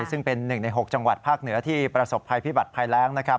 ซึ่งเป็น๑ใน๖จังหวัดภาคเหนือที่ประสบภัยพิบัติภัยแรงนะครับ